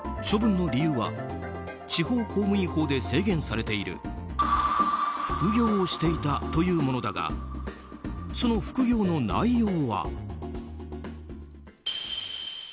処分の理由は地方公務員法で制限されている副業をしていたというものだがその副業の内容は。